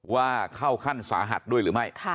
ว่าเข้าขั้นสาหัสด้วยหรือไม่